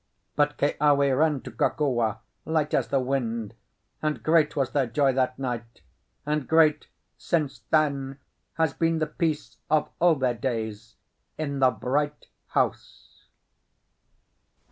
But Keawe ran to Kokua light as the wind; and great was their joy that night; and great, since then, has been the peace of all their days in the Bright House.